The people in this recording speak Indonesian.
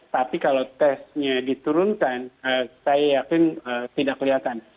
tapi kalau tesnya diturunkan saya yakin tidak kelihatan